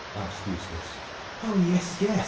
asked Eustace. "Oh, yes, yes!"